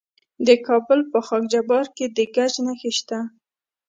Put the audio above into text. د کابل په خاک جبار کې د ګچ نښې شته.